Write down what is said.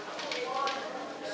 sementara ini masih berlangsung